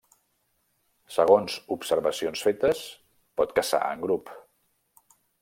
Segons observacions fetes, pot caçar en grup.